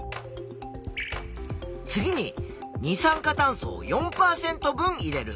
次に二酸化炭素を４％分入れる。